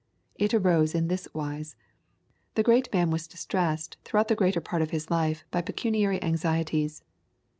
It arose in this wise. The great man was distressed throughout the greater part of his life by pecuniary anxieties.